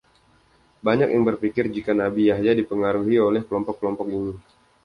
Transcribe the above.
Banyak yang berpikir jika Nabi Yahya dipengaruhi oleh kelompok-kelompok ini.